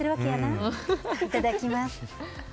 いただきます。